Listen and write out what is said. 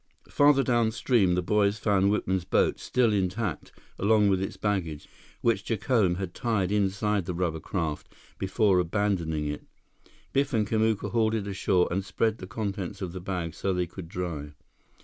Farther downstream, the boys found Whitman's boat, still intact, along with its baggage, which Jacome had tied inside the rubber craft before abandoning it. Biff and Kamuka hauled it ashore and spread the contents of the bags so they could dry.